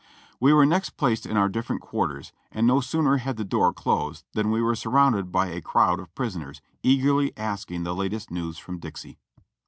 We were next placed in our different quarters, and no sooner liad the door closed than we were surrounded by a crowd of pris oners eagerly asking the latest news from Dixie.